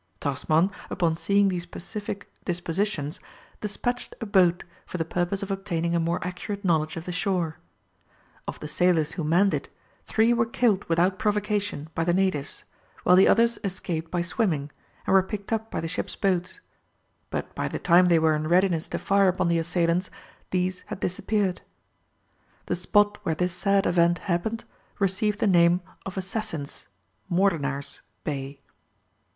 Tasman, upon seeing these pacific dispositions, despatched a boat for the purpose of obtaining a more accurate knowledge of the shore. Of the sailors who manned it, three were killed without provocation by the natives, while the others escaped by swimming, and were picked up by the ships' boats, but by the time they were in readiness to fire upon the assailants, these had disappeared. The spot where this sad event happened, received the name of Assassins' (Moordenaars) Bay.